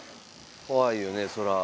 怖いよねそら。